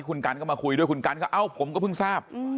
คุณกันก็มาคุยด้วยคุณกันก็เอ้าผมก็เพิ่งทราบ